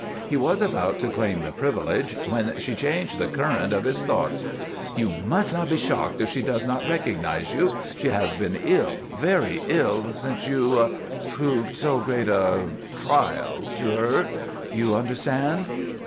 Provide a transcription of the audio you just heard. He was about to claim the privilege when she changed the current of his thoughts. "You must not be shocked if she does not recognize you. She has been ill, very ill, since you proved so great a trial to her. You understand?"